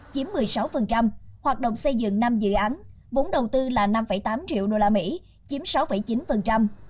chiếm một mươi sáu hoạt động xây dựng năm dự án vốn đầu tư là năm tám triệu đô la mỹ chiếm sáu chín